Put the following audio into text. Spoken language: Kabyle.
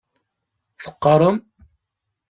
Teqqarem?